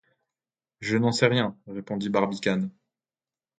Je n’en sais rien, répondit Barbicane.